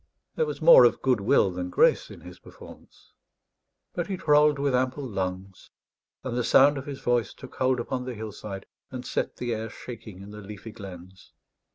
There was more of good will than grace in his performance; but he trolled with ample lungs; and the sound of his voice took hold upon the hillside and set the air shaking in the leafy glens.